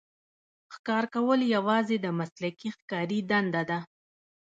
ښکار کول یوازې د مسلکي ښکاري دنده ده.